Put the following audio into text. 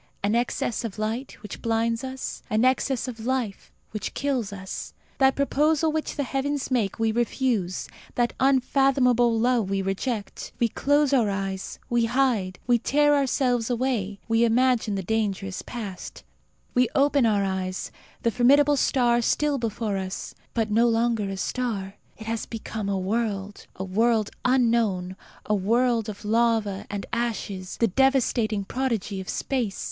An excess of light, which blinds us; an excess of life, which kills us. That proposal which the heavens make we refuse; that unfathomable love we reject. We close our eyes; we hide; we tear ourselves away; we imagine the danger is past. We open our eyes: the formidable star is still before us; but, no longer a star, it has become a world a world unknown, a world of lava and ashes; the devastating prodigy of space.